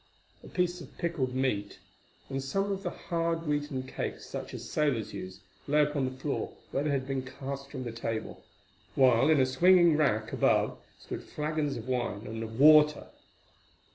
A piece of pickled meat and some of the hard wheaten cakes such as sailors use, lay upon the floor where they had been cast from the table, while in a swinging rack above stood flagons of wine and of water.